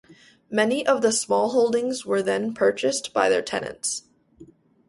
Many of the smallholdings were then purchased by their tenants.